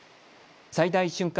最大瞬間